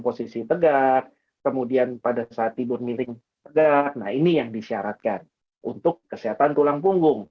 posisi tegak kemudian pada saat tidur miring tega nah ini yang disyaratkan untuk kesehatan tulang punggung